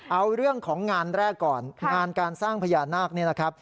เอาเรื่องของงานแรกก่อนงานการสร้างพญานาค